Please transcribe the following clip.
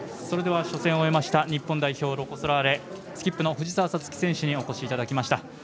それでは初戦を終えました日本代表ロコ・ソラーレスキップの藤澤五月選手にお越しいただきました。